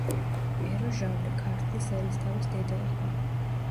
პეროჟავრი ქართლის ერისთავის დედა იყო.